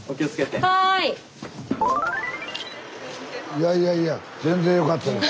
いやいやいや全然よかったよ。